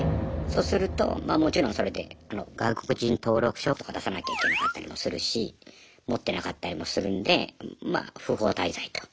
そうするとまあもちろんそれで外国人登録書とか出さなきゃいけなかったりもするし持ってなかったりもするんでまあ不法滞在と。